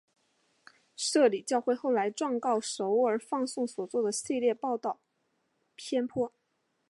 摄理教会后来状告首尔放送所做的系列报导偏颇。